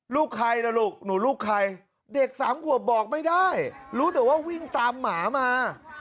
ลูกใครล่ะลูกหนูลูกใครเด็กสามขวบบอกไม่ได้รู้แต่ว่าวิ่งตามหมามา